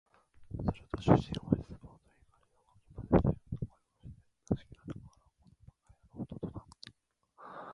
すると主人は失望と怒りを掻き交ぜたような声をして、座敷の中から「この馬鹿野郎」と怒鳴った